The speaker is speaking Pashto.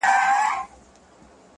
د فرنګ پر کهاله ځکه شور ما شور سو!